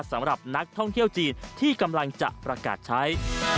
สำหรับนักท่องเที่ยวจีนที่กำลังจะประกาศใช้